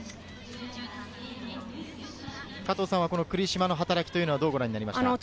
栗島の働きはどうご覧になりましたか？